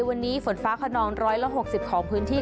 วันนี้ฝนฟ้าขนอง๑๖๐ของพื้นที่